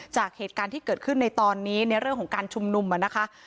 จากเหตุการณ์ที่เกิดขึ้นในตอนนี้ในเรื่องของการชุมนุมนะคะ